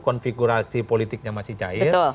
konfigurasi politiknya masih cair